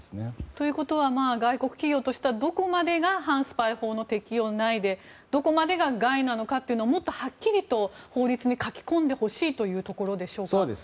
ということは外国企業としてはどこまでが反スパイ法の適用内でどこまでが、外なのかもっとはっきりと法律に書き込んでほしいということでしょうか。